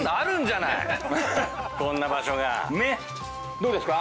どうですか？